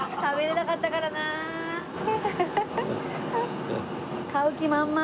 食べれなかったからなあ。